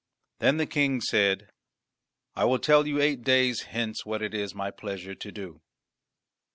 Then the King said, "I will tell you eight days hence what it is my pleasure to do."